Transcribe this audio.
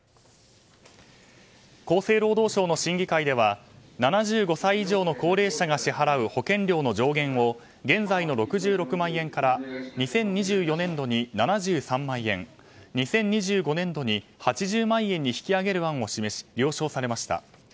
厚生労働省の審議会では７５歳以上の高齢者が支払う保険料の上限を現在の６６万円から２０２４年度に７３万円２０２５年度に８０万円に引き上げる案を示し了承されました。